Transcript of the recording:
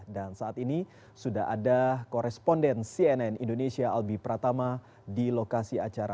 dan saat ini sudah ada koresponden cnn indonesia albi pratama di lokasi acara